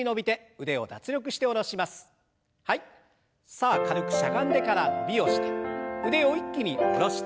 さあ軽くしゃがんでから伸びをして腕を一気に下ろして。